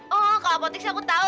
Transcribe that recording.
oh kalau apotik sih aku tau